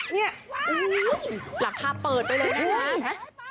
นี่หลังคาเปิดไปเลยนะ